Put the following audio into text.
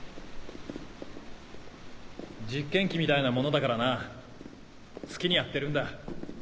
実験機みたいなものだからな好きにやってるんだ。